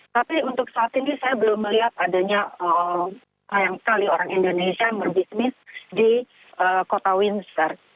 tapi untuk saat ini saya belum melihat adanya sayang sekali orang indonesia yang berbisnis di kota windsor